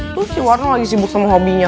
tuh si warna lagi sibuk sama hobinya